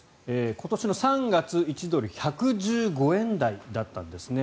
今年の３月、１ドル＝１１５円台だったんですね。